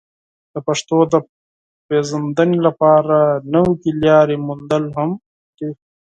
د پښتو د پیژندنې لپاره نوې لارې موندل مهم دي.